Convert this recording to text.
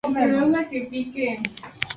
Pero Diego nunca se convertiría en rey.